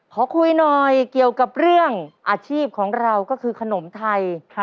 ขอคุยหน่อยเกี่ยวกับเรื่องอาชีพของเราก็คือขนมไทย